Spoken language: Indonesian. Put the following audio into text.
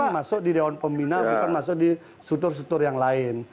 bukan masuk di daun pembina bukan masuk di sutur sutur yang lain